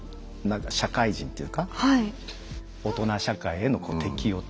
社会人というか大人社会への適応というか。